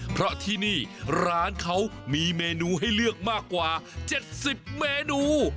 เพราะที่นี่ร้านเขามีเมนูให้เลือกมากกว่า๗๐เมนู